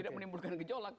tidak menimbulkan gejolak